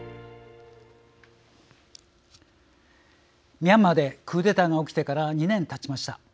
ミャンマーでクーデターが起きてから２年たちました。